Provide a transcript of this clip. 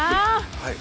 はい。